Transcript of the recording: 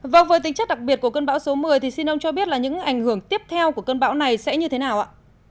vâng với tính chất đặc biệt của cơn bão số một mươi thì xin ông cho biết là những ảnh hưởng tiếp theo của cơn bão này sẽ như thế nào ạ